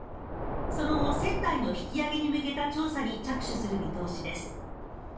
その後船体の引き揚げに向けた調査に着手する見通しです